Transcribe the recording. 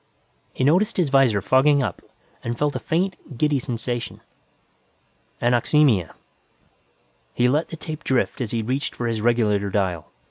He noticed his visor fogging up and felt a faint, giddy sensation. Anoxemia! He let the tape drift as he reached for his regulator dial.